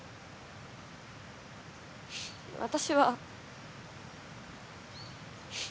私は。